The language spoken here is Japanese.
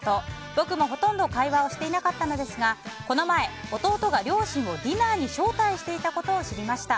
僕もほとんど会話をしていなかったのですがこの前、弟が両親をディナーに招待していたことを知りました。